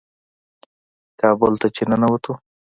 کابل ته چې ننوتو.